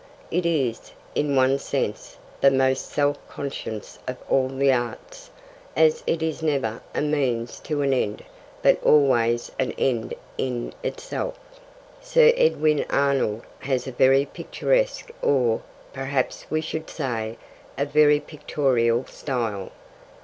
It is, in one sense, the most self conscious of all the arts, as it is never a means to an end but always an end in itself. Sir Edwin Arnold has a very picturesque or, perhaps we should say, a very pictorial style.